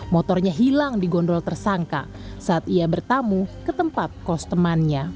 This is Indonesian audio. motornya hilang di gondol tersangka saat ia bertamu ke tempat kos temannya